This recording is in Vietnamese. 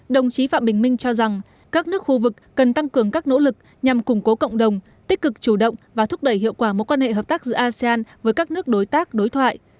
đồng chí phạm bình minh cho rằng các nước khu vực cần tăng cường các nỗ lực nhằm củng cố cộng đồng tích cực chủ động và thúc đẩy hiệu quả mối quan hệ hợp tác giữa asean với các nước đối tác đối thoại